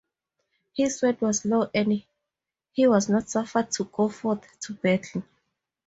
His word was law and he was not suffered to go forth to battle.